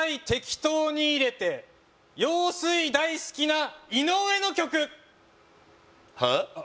適当に入れて陽水大好きな井上の曲はっ？